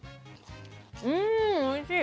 うんおいしい！